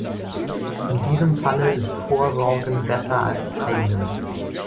In diesem Falle ist Vorsorgen besser als Heilen.